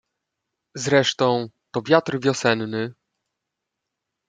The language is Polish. "Zresztą, to wiatr wiosenny."